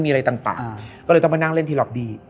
มันก็ต้องไปนั่งเล่นที่ล็อกบี้